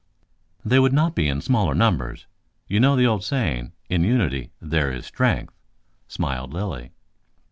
"They would not be in smaller numbers. You know the old saying, 'in unity there is strength,'" smiled Lilly.